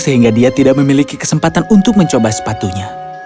sehingga dia tidak memiliki kesempatan untuk mencoba sepatunya